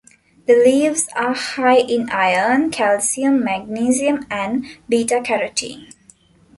The leaves are high in iron, calcium, magnesium, and beta carotene.